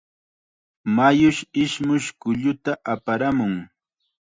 Mayush ismush kulluta aparamun.